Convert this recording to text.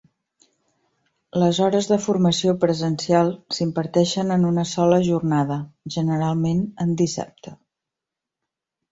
Les hores de formació presencial s'imparteixen en una sola jornada, generalment en dissabte.